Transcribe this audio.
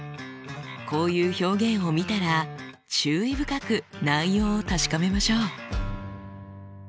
こういう表現を見たら注意深く内容を確かめましょう。